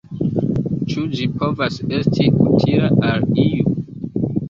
Ĉu ĝi povas esti utila al iu?